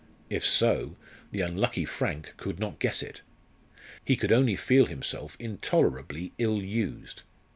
If so, the unlucky Frank could not guess it. He could only feel himself intolerably ill used.